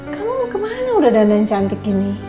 kamu mau kemana udah dandan cantik gini